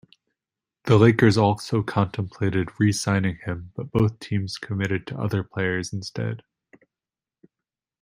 The Lakers also contemplated re-signing him, but both teams committed to other players instead.